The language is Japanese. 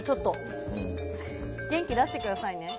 元気出してくださいね。